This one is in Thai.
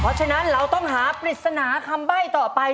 เพราะฉะนั้นเราต้องหาปริศนาคำใบ้ต่อไป